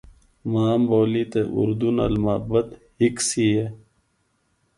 ماں بولی تے اردو نال محبت ہکسی اے۔